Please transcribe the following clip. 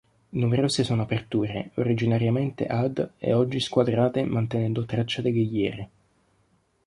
Numerose sono aperture, originariamente ad e oggi squadrate mantenendo traccia delle ghiere.